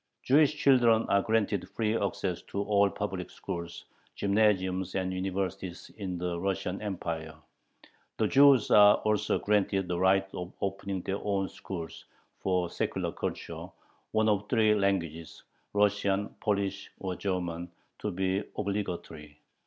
Jewish children are granted free access to all public schools, gymnasiums, and universities in the Russian Empire. The Jews are also granted the right of opening their own schools for secular culture, one of three languages, Russian, Polish, or German, to be obligatory.